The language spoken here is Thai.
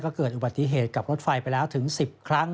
ก็เกิดอุบัติเหตุกับรถไฟไปแล้วถึง๑๐ครั้ง